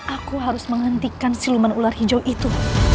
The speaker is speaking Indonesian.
aku harus menghentikan siluman ular hijau itu